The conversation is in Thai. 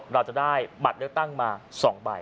เราจะได้บัตรเลือกตั้งมา๒ใบ